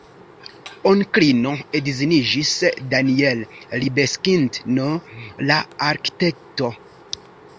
Onklino edziniĝis Daniel Libeskind-n, la arkitekto.